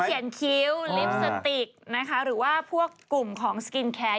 ที่เขียนคิ้วลิปสติกหรือว่าพวกกลุ่มของสกินแคร์